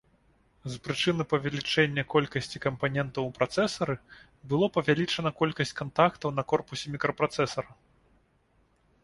З прычыны павелічэння колькасці кампанентаў у працэсары, было павялічана колькасць кантактаў на корпусе мікрапрацэсара.